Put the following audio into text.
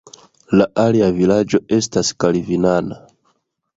La alia vilaĝo estas kalvinana.